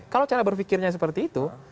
kalau cara berpikirnya seperti itu